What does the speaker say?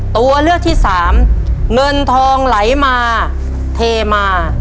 ตัวเลือกที่สามเงินทองไหลมาเทมา